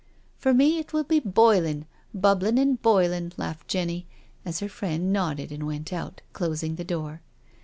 .,."" For me it will be boiling— bubbling and boiling," laughed Jenny, as her friend nodded and went out, closing the door.